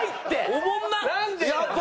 おもんなっ！